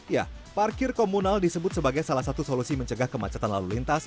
ya parkir komunal disebut sebagai salah satu solusi mencegah kemacetan lalu lintas